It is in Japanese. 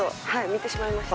見てしまいました。